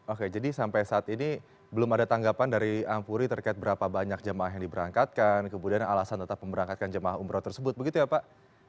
oke jadi sampai saat ini belum ada tanggapan dari ampuri terkait berapa banyak jamaah yang diberangkatkan kemudian alasan tetap memberangkatkan jemaah umroh tersebut begitu ya pak